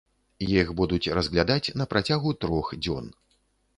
Іх будуць разглядаць на працягу трох дзён.